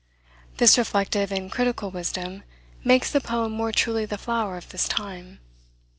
This reflective and critical wisdom makes the poem more truly the flower of this time.